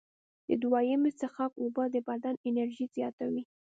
د دویمې څښاک اوبه د بدن انرژي زیاتوي.